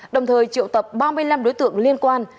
đồng thời triệu tập ba mươi năm đối tượng liên quan